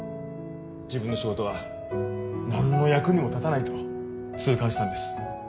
自分の仕事は何の役にも立たないと痛感したんです。